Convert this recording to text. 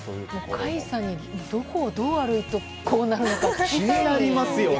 甲斐さんにどこをどう歩いたらこうなるのか気になりますよね。